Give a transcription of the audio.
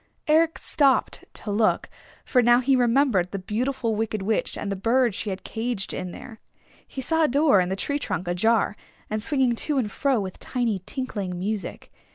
Eric stopped to look, for now he remembered the Beautiful Wicked Witch and the bird she had caged in there. He saw a door in the tree trunk ajar, and swinging to and fro with tiny tinkling music.